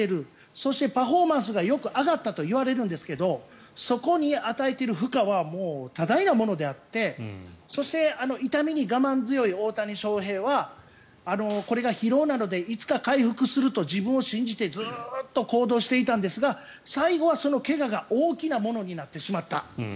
そしてパフォーマンスがよく上がったといわれるんですがそこに与えている負荷は多大なものであってそして痛みに我慢強い大谷翔平はこれが披露なのでいつか回復すると自分を信じてずっと行動していたんですが最後はその怪我が大きなものになってしまった。